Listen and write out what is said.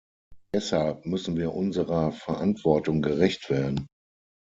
Deshalb müssen wir unserer Verantwortung gerecht werden.